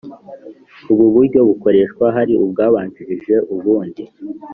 ubu buryo bukoreshwa hari ubwabanjirije ub undi